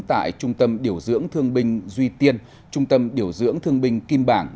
tại trung tâm điều dưỡng thương binh duy tiên trung tâm điều dưỡng thương binh kim bảng